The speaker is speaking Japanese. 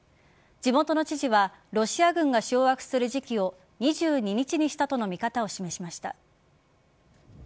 地元の知事はロシア軍が掌握する時期を２２日にしたとの見方を示しました。